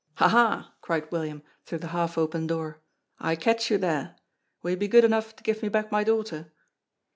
"Ha! ha!" cried William through the half open door. "I catch you there! Will you be good enough to give me back my daughter?"